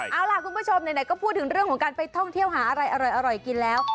เอาล่ะคุณผู้ชมไหนก็พูดถึงเรื่องของการไปท่องเที่ยวหาอะไรอร่อยกินแล้ว